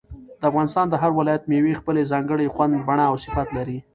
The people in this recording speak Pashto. د افغانستان د هر ولایت مېوې خپل ځانګړی خوند، بڼه او صفت لري.